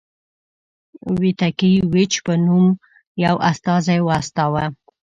ویتکي ویچ په نوم یو استازی واستاوه.